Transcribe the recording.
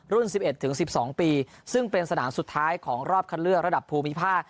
๑๑๑๑๒ปีซึ่งเป็นสนามสุดท้ายของรอบคัดเลือกระดับภูมิภาค